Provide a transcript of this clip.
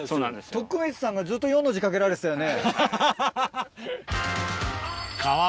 徳光さんがずっと４の字かけられてたよね。